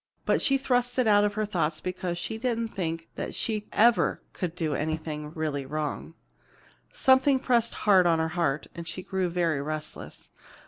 But she thrust it out of her thoughts because she didn't think that she ever could do anything really wrong. Something pressed hard on her heart, and she grew very restless.